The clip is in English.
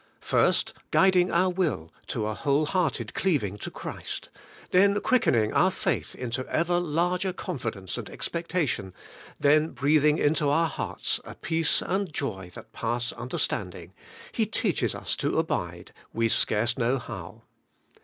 First guiding our will to a whole hearted cleaving to Christ, then quickening our faith into ever larger confidence and expectation, then breathing into our hearts a peace and joy that pass understanding. He teaches us to abide, we scarce Know how.